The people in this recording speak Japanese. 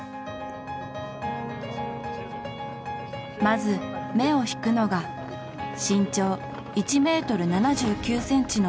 まず目を引くのが身長１ｍ７９ｃｍの恵まれた体格。